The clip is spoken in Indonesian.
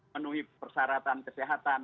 menuhi persyaratan kesehatan